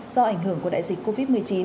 do ảnh hưởng của đại dịch covid một mươi chín